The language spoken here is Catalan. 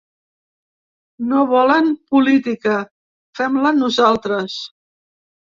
No volen política, fem-la nosaltres.